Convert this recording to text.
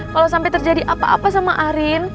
kalau sampai terjadi apa apa sama arin